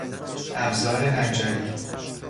ابزار نجاری